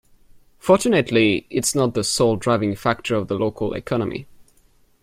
Fortunately its not the sole driving factor of the local economy.